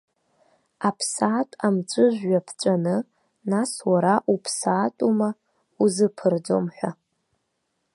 Аԥсаатә амҵәыжәҩа ԥҵәаны, нас уара уԥсаатәума, узыԥырӡом ҳәа.